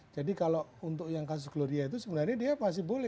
jadi kalau untuk yang kasus gloria itu sebenarnya dia masih boleh